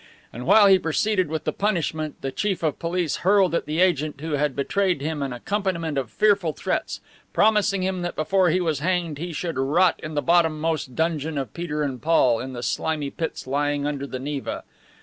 And while he proceeded with the punishment the Chief of Police hurled at the agent who had betrayed him an accompaniment of fearful threats, promising him that before he was hanged he should rot in the bottom most dungeon of Peter and Paul, in the slimy pits lying under the Neva.